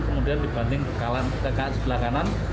kemudian dibanting ke kanan sebelah kanan